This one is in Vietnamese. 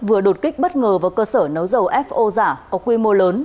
vừa đột kích bất ngờ vào cơ sở nấu dầu fo giả có quy mô lớn